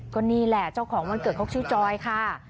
ก็นี่แหละเจ้าของวันเกิดเขาชื่อจอยค่ะ